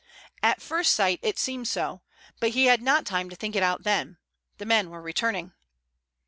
At first sight it seemed so, but he had not time to think it out then. The men were returning.